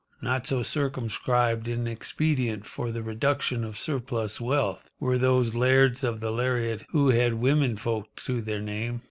Not so circumscribed in expedient for the reduction of surplus wealth were those lairds of the lariat who had womenfolk to their name.